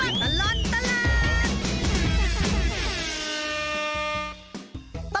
ชั่วตลอดตลาด